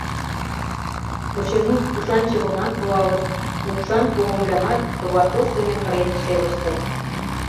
Очыни, тушан чывымат руалыт, укшан пугомылямат товартош дене кырен шелыштыт.